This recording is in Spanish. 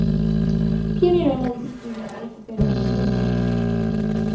Pionero en la disciplina Recuperación de información.